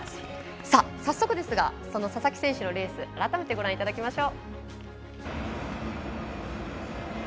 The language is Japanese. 早速ですが、佐々木選手のレース改めてご覧いただきましょう。